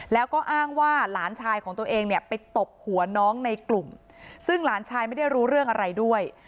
แล้วก็อ้างว่าหลานชายของตัวเองเนี่ยไปตบหัวน้องในกลุ่มซึ่งหลานชายไม่ได้รู้เรื่องอะไรด้วย